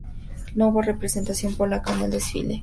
No hubo representación polaca en el desfile.